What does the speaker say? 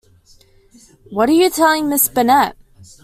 What are you telling Miss Bennet?